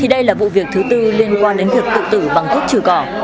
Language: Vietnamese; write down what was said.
đây là vụ việc thứ tư liên quan đến việc tự tử bằng thuốc trừ cỏ